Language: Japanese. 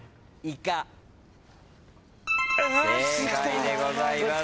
正解でございます。